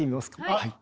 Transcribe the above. はい。